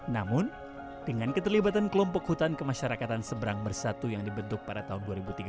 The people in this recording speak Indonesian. namun dengan keterlibatan kelompok hutan kemasyarakatan seberang bersatu yang dibentuk pada tahun dua ribu tiga belas